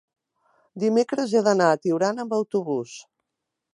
dimecres he d'anar a Tiurana amb autobús.